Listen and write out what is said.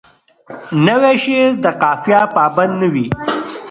نوی شعر د قافیه پابند نه وي.